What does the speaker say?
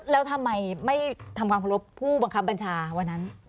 แล้วทำไมไม่ทำความเคารพผู้บังคับบัญชาวันนั้น